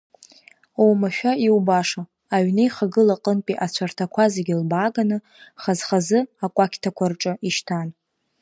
Оумашәа иубаша, аҩнеихагыла аҟынтәи ацәарҭақәа зегьы лбааганы, хаз-хазы акәакьҭақәа рҿы ишьҭан.